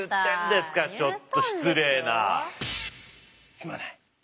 すまない。